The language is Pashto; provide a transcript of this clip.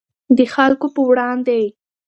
د خلکو په وړاندې.